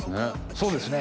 そうですね。